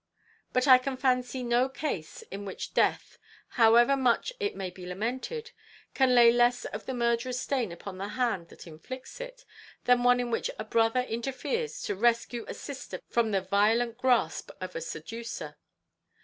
But I can fancy no case in which death, however much it may be lamented, can lay less of the murderer's stain upon the hand that inflicts it, than one in which a brother interferes to rescue a sister from the violent grasp of a seducer.